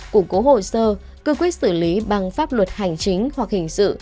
củng cố hồ sơ cương quyết xử lý bằng pháp luật hành chính hoặc hình sự